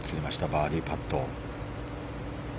バーディーパット。